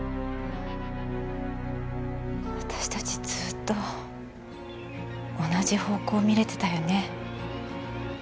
私たちずっと同じ方向見れてたよね？